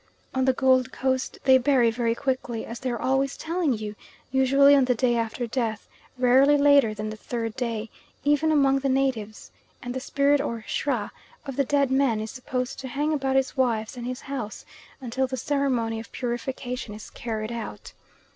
On the Gold Coast they bury very quickly, as they are always telling you, usually on the day after death, rarely later than the third day, even among the natives; and the spirit, or Srah, of the dead man is supposed to hang about his wives and his house until the ceremony of purification is carried out.